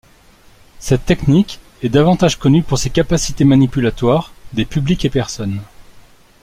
Cette technique est davantage connue pour ses capacités manipulatoires des publics et personnes.